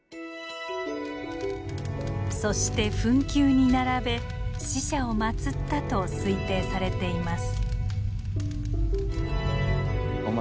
そして墳丘に並べ死者を祭ったと推定されています。